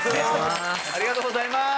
ありがとうございます！